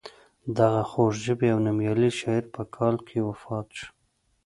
دغه خوږ ژبی او نومیالی شاعر په کال کې وفات شو.